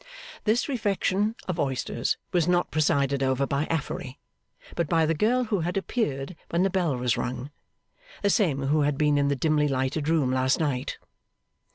This refection of oysters was not presided over by Affery, but by the girl who had appeared when the bell was rung; the same who had been in the dimly lighted room last night.